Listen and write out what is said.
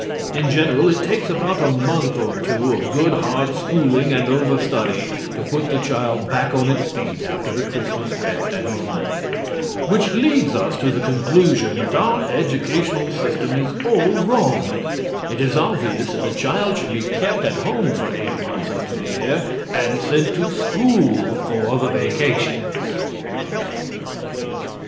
In general, it takes about a month or two of good, hard schooling and overstudy to put the child back on its feet after the Christmas rest at home. Which leads us to the conclusion that our educational system is all wrong. It is obvious that the child should be kept at home for eight months out of the year and sent to school for the vacations.